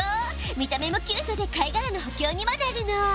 見た目もキュートで貝がらの補強にもなるの。